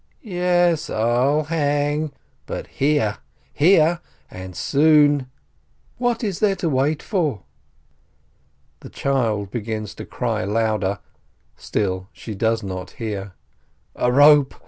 "Yes, I'll hang, but here, here! And soon ! What is there to wait for?" The child begins to cry louder ; still she does not hear. "A rope